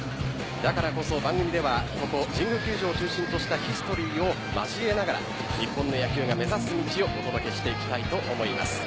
だからこそ番組ではここ、神宮球場中心としたヒストリーを交えながら日本の野球が目指す道をお届けしていきたいと思います。